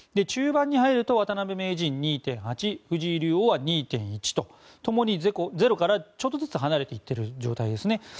中盤に入ると渡辺名人２．８藤井竜王は２．１と共に０からちょっとずつ離れていってる状態ですね。